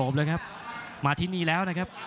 มามาที่นี่แล้วนะครับ